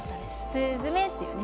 すずめっていうね。